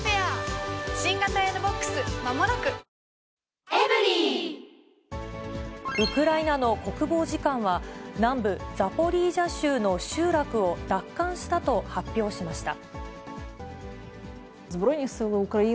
ニトリウクライナの国防次官は、南部ザポリージャ州の集落を奪還したと発表しました。